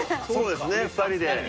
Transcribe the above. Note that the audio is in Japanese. そうですね２人で。